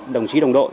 đồng chí đồng đội